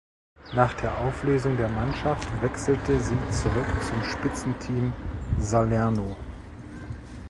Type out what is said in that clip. Nach der Auflösung der Mannschaft wechselte sie zurück zum Spitzenteam Salerno.